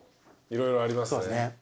色々ありますね。